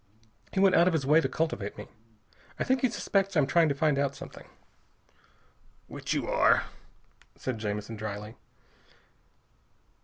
He went out of his way to cultivate me. I think he suspects I'm trying to find out something." "Which you are," said Jamison dryly.